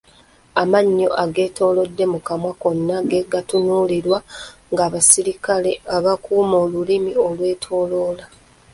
Amannyo ageetoolodde mu kamwa konna ge gatunuulirwa ng’abasirikale abakuuma olulimi okulwetooloola.